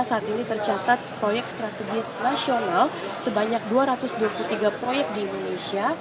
saat ini tercatat proyek strategis nasional sebanyak dua ratus dua puluh tiga proyek di indonesia